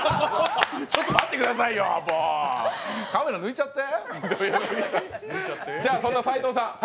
ちょっと待ってくださいよ、もう、カメラ抜いちゃって。